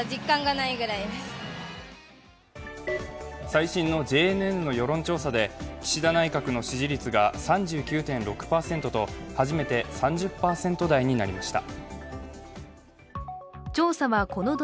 最新のＪＮＮの世論調査で、岸田内閣の支持率が３９．６％と初めて３０％台になりました。